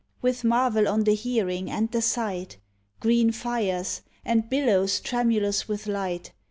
With marvel on the hearing and the sight — Green fires, and billows tremulous with light.